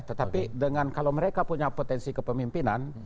tetapi dengan kalau mereka punya potensi kepemimpinan